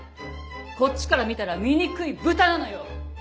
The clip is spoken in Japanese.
こっちから見たら醜い豚なのよ！